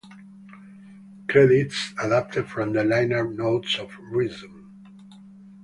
Credits adapted from the liner notes of "Reason".